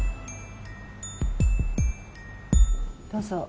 どうぞ。